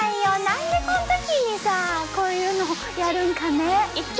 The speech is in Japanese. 何でこん時にさこういうのをやるんかね。